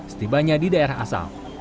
setibanya di daerah asal